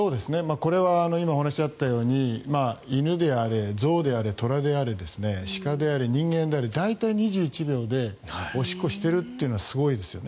これは今お話があったように犬であれ、象であれ虎であれ鹿であれ、人間であれ大体２１秒でおしっこをしてるってのはすごいですよね。